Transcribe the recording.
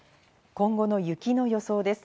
今後の雪の予想です。